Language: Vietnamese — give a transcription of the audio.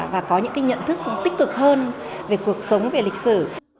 và có những cái nhận thức cũng tích cực hơn về cuộc sống về lịch sử